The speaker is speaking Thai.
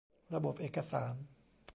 ระบบเอกสาร